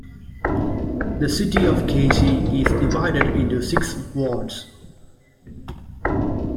The City of Casey is divided into six wards.